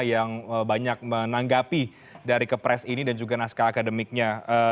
yang banyak menanggapi dari kepres ini dan juga naskah akademiknya